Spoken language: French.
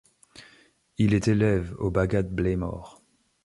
Il est élève au bagad Bleimor.